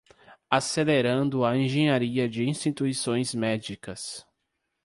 Acelerando a engenharia de instituições médicas